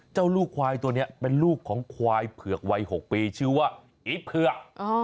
ลูกควายตัวนี้เป็นลูกของควายเผือกวัย๖ปีชื่อว่าอีเผือก